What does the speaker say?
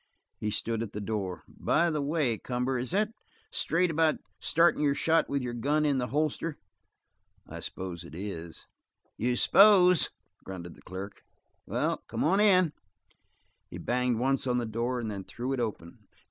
He stood at the door. "By the way, Cumber, is that straight about startin' your shot with your gun in the holster?" "I s'pose it is." "You s'pose?" grunted the clerk. "Well, come on in." He banged once on the door and then threw it open.